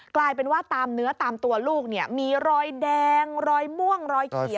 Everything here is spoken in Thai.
กลายเป็นว่าตามเนื้อตามตัวลูกเนี่ยมีรอยแดงรอยม่วงรอยเขียว